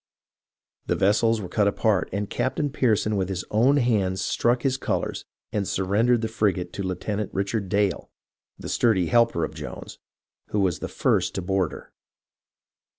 The vessels were cut apart, and Captain Pearson with his own hands struck his colours and surrendered the frigate to Lieuten ant Richard Dale, the sturdy helper of Jones, who was the first to board her.